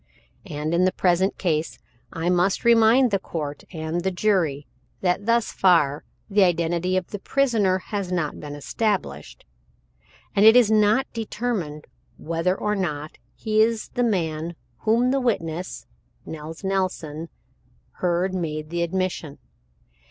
And in the present case I must remind the court and the jury that thus far the identity of the prisoner has not yet been established, as it is not determined whether or not he is the man whom the witness, Nels Nelson, heard make the admission.